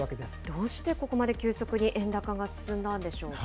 どうしてここまで急速に円高が進んだんでしょうか。